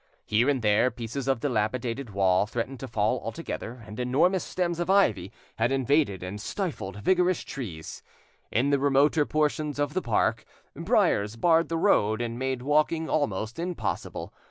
Here and there pieces of dilapidated wall threatened to fall altogether, and enormous stems of ivy had invaded and stifled vigorous trees; in the remoter portions of the park briers barred the road and made walking almost impossible.